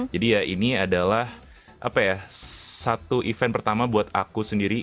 jadi ya ini adalah apa ya satu event pertama buat aku sendiri